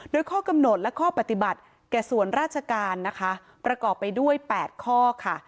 โดยข้อกำหนดและข้อปฏิบัติแก่ส่วนราชการนะคะประกอบไปด้วย๘ข้อค่ะ